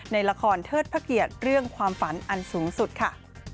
ในละครเทิดพระเกียรติเรื่องความฝันอันสูงสุดค่ะ